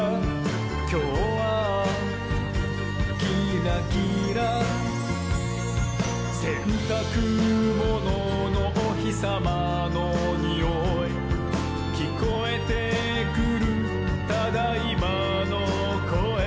「きょうはキラキラ」「せんたくもののおひさまのにおい」「きこえてくる『ただいま』のこえ」